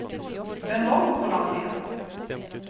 Vänd om för all del!